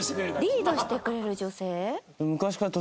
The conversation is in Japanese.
リードしてくれる女性？